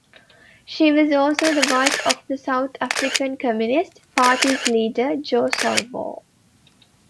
She was also the wife of the South African Communist Party's leader, Joe Slovo.